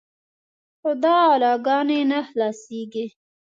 خو دا غلاګانې نه خلاصېږي.